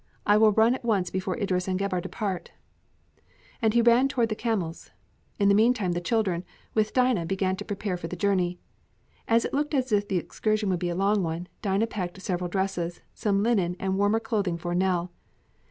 I will run at once before Idris and Gebhr depart." And he ran towards the camels. In the meantime the children, with Dinah, began to prepare for the journey. As it looked as if the excursion would be a long one, Dinah packed several dresses, some linen, and warmer clothing for Nell.